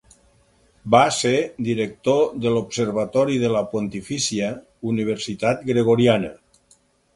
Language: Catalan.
Va ser director de l'Observatori de la Pontifícia Universitat Gregoriana.